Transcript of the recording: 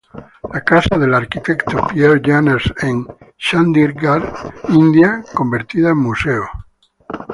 La casa del arquitecto Pierre Jeanneret en Chandigarh, India, convertida en museo.